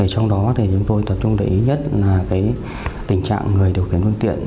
trong đó chúng tôi tập trung để ý nhất là tình trạng người điều khiển phương tiện